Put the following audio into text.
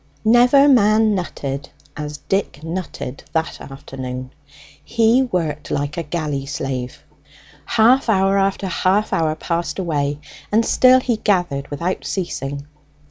Never man nutted as Dick nutted that afternoon. He worked like a galley slave. Half hour after half hour passed away, and still he gathered without ceasing.